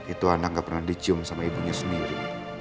itu anak gak pernah dicium sama ibunya sendiri